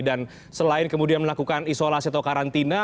dan selain kemudian melakukan isolasi atau karantina